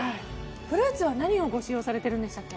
フルーツは何をご使用されてるんでしたっけ？